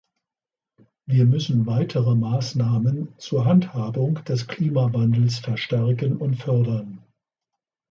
Wir müssen weitere Maßnahmen zur Handhabung des Klimawandels verstärken und fördern.